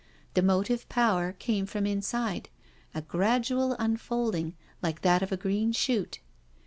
The motive power came from inside, a gradual unfolding, like that of a green shoot.